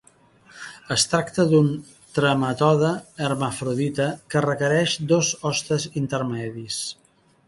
Es tracta d'un trematode hermafrodita que requereix dos hostes intermedis.